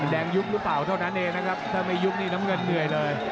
แดงยุบหรือเปล่าเท่านั้นเองนะครับถ้าไม่ยุบนี่น้ำเงินเหนื่อยเลย